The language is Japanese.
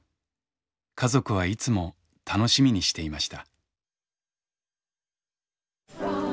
家族はいつも楽しみにしていました。